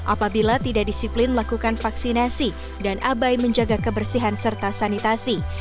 apabila tidak disiplin melakukan vaksinasi dan abai menjaga kebersihan serta sanitasi